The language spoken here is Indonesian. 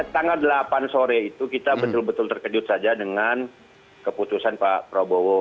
tanggal delapan sore itu kita betul betul terkejut saja dengan keputusan pak prabowo